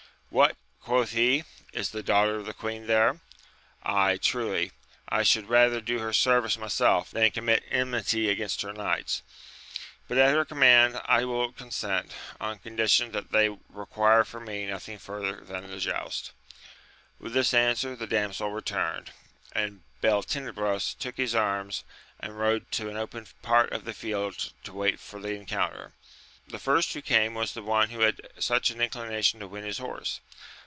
— ^What ! quoth he, is the daughter of the queen there ?— Aye, truly !— I should rather do her service myself, than commit enmity against her knights, but at her command I wiU consent, on condition that they require from me nothing farther than the joust. With this answer the damsel returned ; and Beltenebros took his arms, and rode to an open part of the field to wait for the encounter. The first who came was the one who had such an inclination to win his horse.